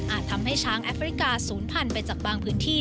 อาจทำให้ช้างแอฟริกาศูนย์ผ่านไปจากบางพื้นที่